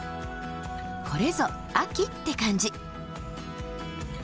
これぞ秋って感じ。